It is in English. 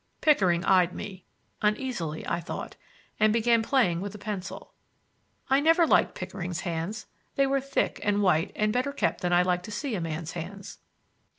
Pickering eyed me—uneasily, I thought—and began playing with a pencil. I never liked Pickering's hands; they were thick and white and better kept than I like to see a man's hands.